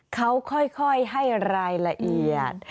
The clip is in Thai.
เขาค่อยให้รายละเอียด